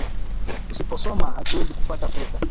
Usipo soma hatuwezi kupata pesa